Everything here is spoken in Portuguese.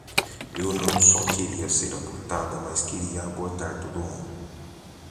Eu não só queria ser abortada mas queria abortar todo mundo!